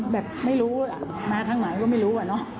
แบบไม่รู้มาทางไหนก็ไม่รู้